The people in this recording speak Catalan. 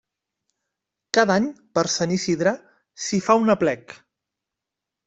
Cada any per Sant Isidre s'hi fa un aplec.